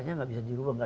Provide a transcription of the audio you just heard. masa dia berusia